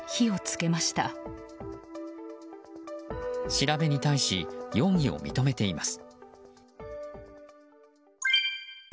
調べに対し容疑を認めています。